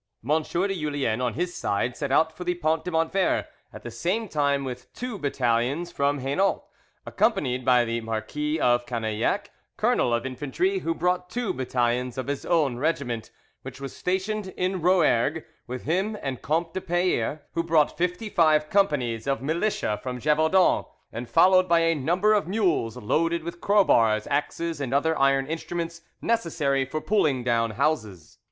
M. de Julien, on his side, set out for the Pont de Montvert at the same time with two battalions from Hainault, accompanied by the Marquis of Canillac, colonel of infantry, who brought two battalions of his own regiment, which was stationed in Rouergue, with him, and Comte de Payre, who brought fifty five companies of militia from Gevaudan, and followed by a number of mules loaded with crowbars, axes, and other iron instruments necessary for pulling down houses.